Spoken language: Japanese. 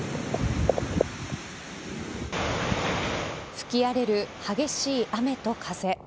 吹きあれる激しい雨と風。